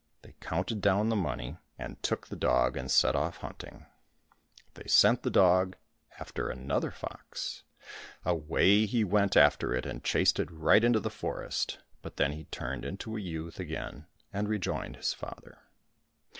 They counted down the money and 21 COSSACK FAIRY TALES took the dog and set off hunting. They sent the dog after another fox. Away he went after it and chased it right into the forest, but then he turned into a youth again and rejoined his father.